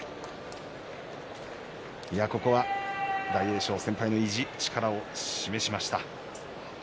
ここは大栄翔、先輩の意地力を示しました。